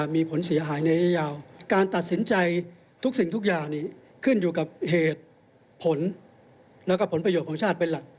มันอยู่กับเหตุผลแล้วก็ผลประโยชน์ของชาติเป็นหลัก